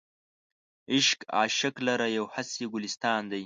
عشق عاشق لره یو هسې ګلستان دی.